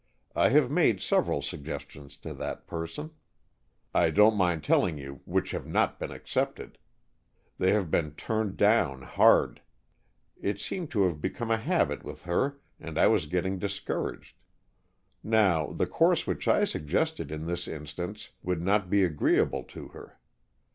I have made several suggestions to that person, I don't mind telling you, which have not been accepted. They have been turned down hard. It seemed to have become a habit with her and I was getting discouraged. Now, the course which I suggested in this instance would not be agreeable to her.